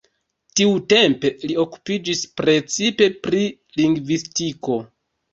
Tiutempe li okupiĝis precipe pri lingvistiko.